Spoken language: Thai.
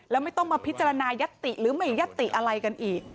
แล้วไม่ต้องมาพิจารณายัตติหรือไม่ยัตติอะไรกันอีก